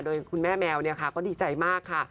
โดยคุณแม่แมวเนี่ยค่ะก็ดีใจมากค่ะ